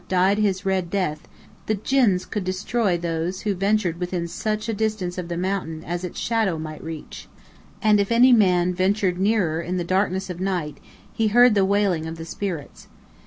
"died his red death" the djinns could destroy those who ventured within such distance of the mountain as its shadow might reach: and if any man ventured nearer in the darkness of night, he heard the wailing of the spirits.